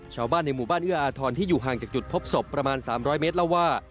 ชาวบ้านในหมู่บ้านเอื้ออาทรที่อยู่ห่างจากจุดพบศพประมาณ๓๐๐เมตรเล่าว่า